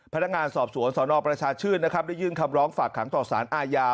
พนักงานสอบสวนสนประชาชื่นนะครับได้ยื่นคำร้องฝากขังต่อสารอาญา